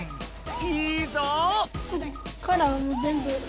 いいぞ！